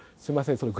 すいません